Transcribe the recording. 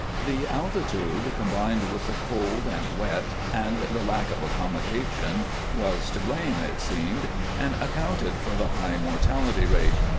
The altitude combined with the cold and wet and the lack of accommodations was to blame, it seemed, and accounted for the high mortality rate.